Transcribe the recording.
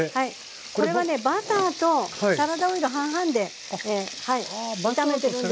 これはねバターとサラダオイル半々で炒めてるんですが。